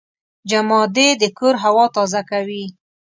جمادې د کور هوا تازه کوي.